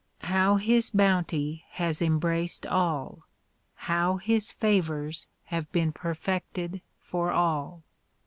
How his bounty has embraced all! How his favors have been perfected for all!